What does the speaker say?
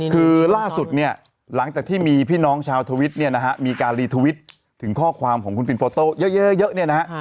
คือล่าสุดเนี่ยหลังแต่ที่มีพี่น้องชาวทวิจมีการรีทวิจถึงข้อความของคุณฟินฟูโต้เยอะ